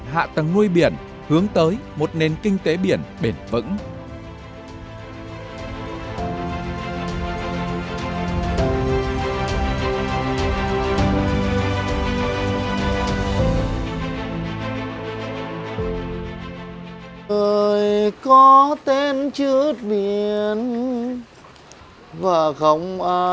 hạ tầng nuôi biển hướng tới một nền kinh tế biển bền vững